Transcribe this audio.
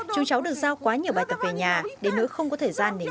chúng cháu được giao quá nhiều bài tập về nhà để nữ không có thời gian để nghỉ ngơi